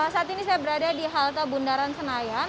saat ini saya berada di halte bundaran senayan